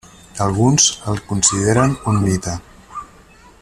Alguns el consideren un mite.